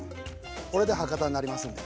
これで博多になりますんで。